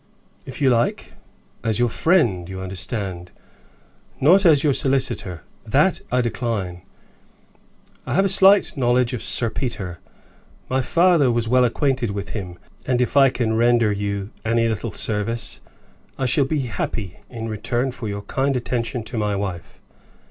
"If you like as your friend, you understand; not as your solicitor; that I decline. I have a slight knowledge of Sir Peter; my father was well acquainted with him; and if I can render you any little service, I shall be happy, in return for your kind attention to my wife.